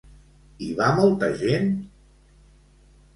Hi va molta gent?